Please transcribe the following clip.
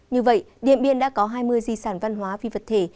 như vậy điện biên đã có hai mươi di sản văn hóa phi vật thể